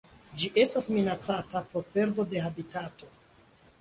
Ĝi estas minacata pro perdo de habitato.